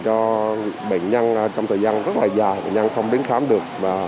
cho bệnh nhân trong thời gian rất là dài bệnh nhân không đến khám được